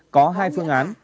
có hai phương án